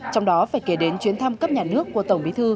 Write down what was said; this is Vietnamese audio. trong đó phải kể đến chuyến thăm cấp nhà nước của tổng bí thư